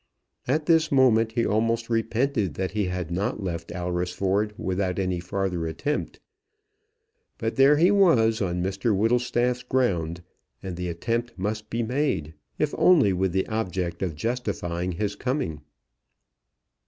At this moment he almost repented that he had not left Alresford without any farther attempt. But there he was on Mr Whittlestaff's ground, and the attempt must be made, if only with the object of justifying his coming.